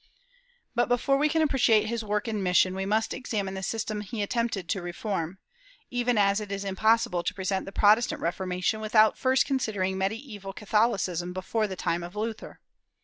But before we can appreciate his work and mission, we must examine the system he attempted to reform, even as it is impossible to present the Protestant Reformation without first considering mediaeval Catholicism before the time of Luther.